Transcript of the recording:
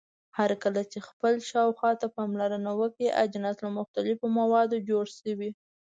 هرکله چې خپل شاوخوا ته پاملرنه وکړئ اجناس له مختلفو موادو جوړ شوي.